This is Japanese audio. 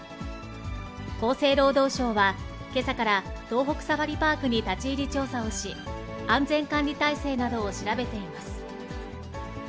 厚生労働省は、けさから東北サファリパークに立ち入り調査をし、安全管理体制などを調べています。